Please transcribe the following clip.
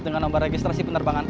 dengan nomor registrasi penerbangan